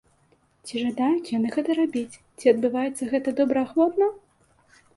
Ці жадаюць яны гэта рабіць, ці адбываецца гэта добраахвотна?